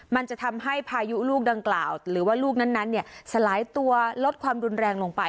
มันจะทำให้พายุลูกดังกล่าวหรือว่าลูกนั้นสลายตัวลดความรุนแรงลงไป